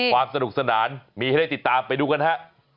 ความสนุกสนานมีให้ได้ติดตามไปดูกันฮะ